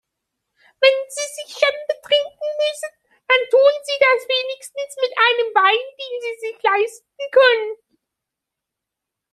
Wenn Sie sich schon betrinken müssen, dann tun Sie das wenigstens mit einem Wein, den Sie sich leisten können.